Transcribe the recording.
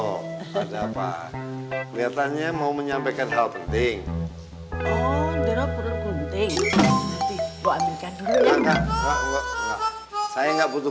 oh ada apa lihatannya mau menyampaikan hal penting oh perlu kunting saya nggak butuh